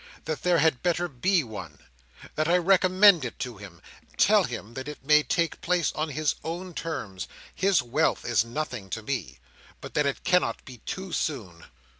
That there had better be one. That I recommend it to him. Tell him it may take place on his own terms—his wealth is nothing to me—but that it cannot be too soon."